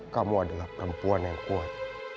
kamu adalah perempuan yang kuat